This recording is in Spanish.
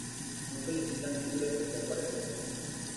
No solicitan título especial para el templo.